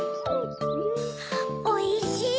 おいしい！